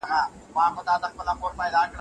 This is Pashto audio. راشه بلې کړه لمبې مې په فکرونو